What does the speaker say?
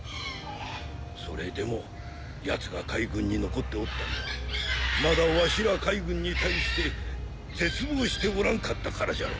それでもやつが海軍に残っておったのはまだわしら海軍に対して絶望しておらんかったからじゃろう。